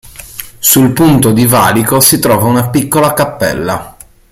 Sul punto di valico si trova una piccola cappella.